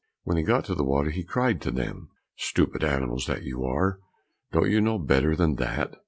When he got to the water, he cried to them, "Stupid animals that you are! Don't you know better than that?